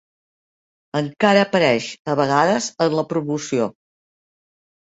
Encara apareix a vegades en la promoció.